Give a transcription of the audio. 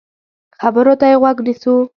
خبرو ته يې غوږ نیسو.